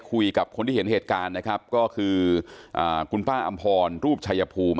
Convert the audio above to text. คุยกับคนที่เห็นเหตุการณ์นะครับก็คือคุณป้าอำพรรูปชายภูมิ